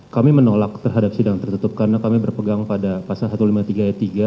kami menolak terhadap sidang tertutup karena kami berpegang pada pasal satu ratus lima puluh tiga ayat tiga